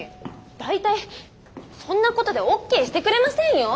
大体そんなことでオッケーしてくれませんよォ？